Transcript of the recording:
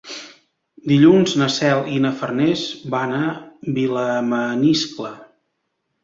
Dilluns na Cel i na Farners van a Vilamaniscle.